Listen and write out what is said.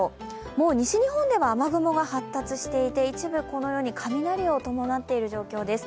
もう西日本では雨雲が発達していて、一部このように雷を伴っている状況です。